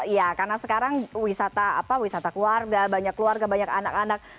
ya karena sekarang wisata keluarga banyak keluarga banyak anak anak